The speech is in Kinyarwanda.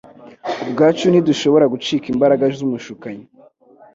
Ubwacu ntidushobora gucika imbaraga z'umushukanyi,